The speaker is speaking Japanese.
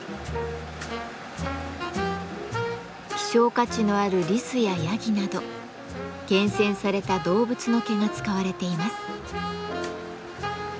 希少価値のあるリスやヤギなど厳選された動物の毛が使われています。